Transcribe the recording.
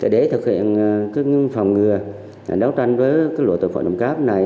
để thực hiện phòng ngừa đấu tranh với tội phạm đồng cáp này